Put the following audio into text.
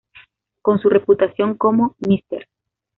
Con su reputación como "Mr.